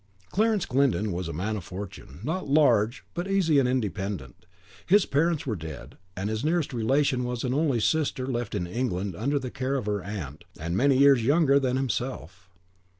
Clarence Glyndon was a young man of fortune, not large, but easy and independent. His parents were dead, and his nearest relation was an only sister, left in England under the care of her aunt, and many years younger than himself.